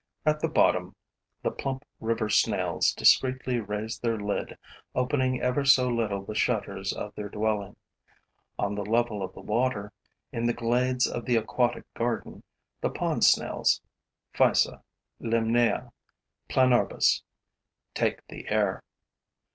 At the bottom, the plump river snails discreetly raise their lid, opening ever so little the shutters of their dwelling; on the level of the water, in the glades of the aquatic garden, the pond snails Physa, Limnaea and Planorbis take the air.